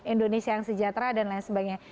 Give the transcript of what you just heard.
indonesia yang sejahtera dan lain sebagainya